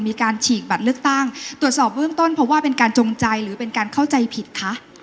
ฉีกบัตรเลือกตั้งตรวจสอบเบื้องต้นเพราะว่าเป็นการจงใจหรือเป็นการเข้าใจผิดคะ